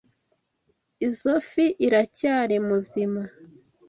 Izoi fi iracyari muzima?